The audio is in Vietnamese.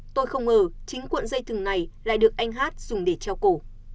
tôi không ngờ chính cuộn dây thừng này lại được anh hát dùng để treo cổ